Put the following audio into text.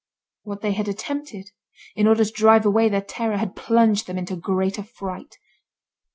What they had attempted, in order to drive away their terror, had plunged them into greater fright.